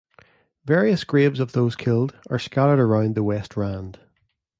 Various graves of those killed are scattered around the West Rand.